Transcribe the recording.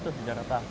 itu sejarah tah